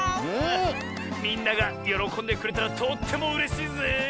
みんながよろこんでくれたらとってもうれしいぜ！